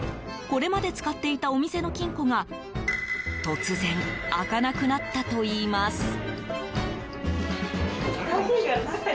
これまで使っていたお店の金庫が突然開かなくなったといいます。